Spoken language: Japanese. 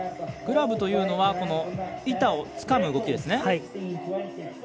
グラブというのは板をつかむ動きですね。